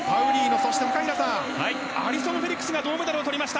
そしてアリソン・フェリックスが銅メダルをとりました。